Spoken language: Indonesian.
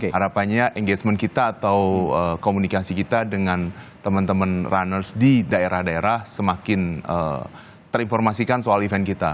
harapannya engagement kita atau komunikasi kita dengan teman teman runners di daerah daerah semakin terinformasikan soal event kita